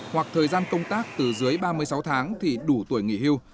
hoặc thời gian công tác từ dưới ba mươi sáu tháng thì đủ tuổi nghỉ hưu